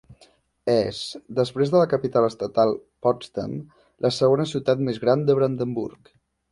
És, després de la capital estatal, Potsdam, la segona ciutat més gran de Brandenburg.